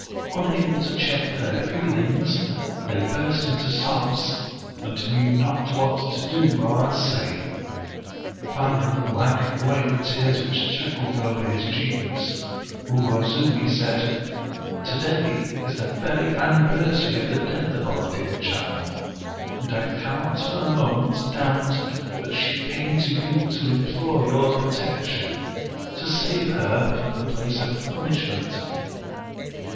Unable to check their feelings, they burst into sobs, and knew not what to do or say. Finally wiping away the tears which trickled over his cheeks, Uwoztuni said: " Tb"day is the very anniversary of the death of our dear child, and I cannot for a moment doubt that she came to you to implore your protection, to save her from the place of punishment.